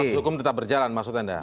proses hukum tetap berjalan maksud anda